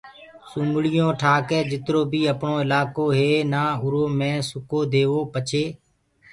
سومݪيون ٺآ ڪي جِترو بيٚ اَپڻو اِلآڪو هي نآ اُرو مي سُڪو ديئو پڇي